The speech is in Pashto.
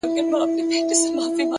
د نیت صفا عمل ته وزن ورکوي،